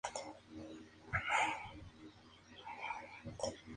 Esta nueva producción no ha sido lanzada a la fecha.